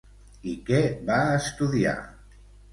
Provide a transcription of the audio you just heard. I què va estudiar?